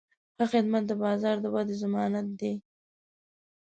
ښه خدمت د بازار د ودې ضمانت دی.